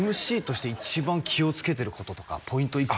そのＭＣとして一番気をつけてることとかポイント